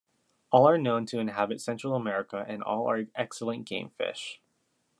All are known to inhabit Central America and all are excellent gamefish.